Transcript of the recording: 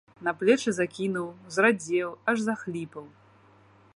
На плечы закінуў, зрадзеў, аж захліпаў!